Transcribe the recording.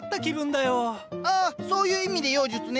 ああそういう意味で妖術ね。